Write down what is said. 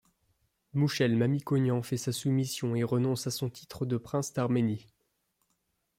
Mouchel Mamikonian fait sa soumission et renonce à son titre de prince d'Arménie.